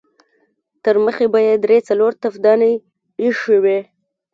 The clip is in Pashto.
ترمخې به يې درې څلور تفدانۍ اېښې وې.